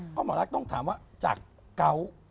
เพราะหมอรักต้องถามว่าจากเกาะ